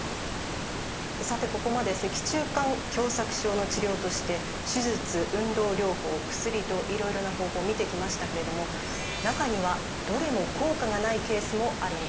さてここまで脊柱管狭窄症の治療として手術運動療法薬といろいろな方法見てきましたけれども中にはどれも効果がないケースもあるんです。